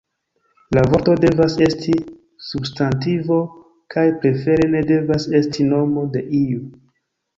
La vorto devas esti substantivo kaj prefere ne devas esti nomo de iu.